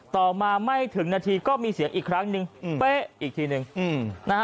ต่อมาไม่ถึงนาทีก็มีเสียงอีกครั้งหนึ่งเป๊ะอีกทีนึงนะฮะ